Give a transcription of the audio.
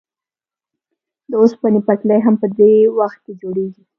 د اوسپنې پټلۍ هم په دې وخت کې جوړېږي